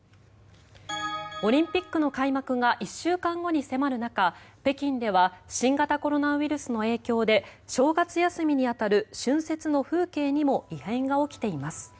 オリンピックの開幕が１週間後に迫る中北京では新型コロナウイルスの影響で正月休みに当たる春節の風景にも異変が起きています。